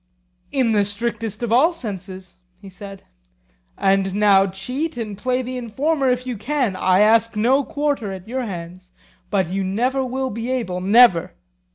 In the strictest of all senses, he said. And now cheat and play the informer if you can; I ask no quarter at your hands. But you never will be able, never.